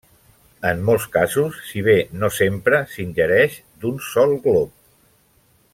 En molts casos, si bé no sempre, s'ingereix d'un sol glop.